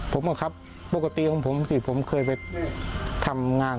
ผมอะครับปกติของผมสิผมเคยไปทำงาน